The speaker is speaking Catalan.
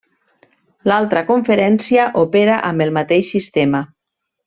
L'altra conferència opera amb el mateix sistema.